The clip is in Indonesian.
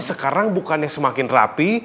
sekarang bukannya semakin rapi